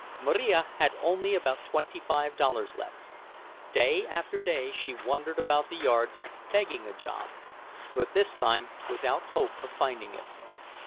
Marija had only about twenty five dollars left. Day after day she wandered about the yards begging a job, but this time without hope of finding it.